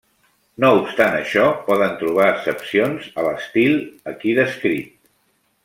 No obstant això, poden trobar excepcions a l'estil aquí descrit.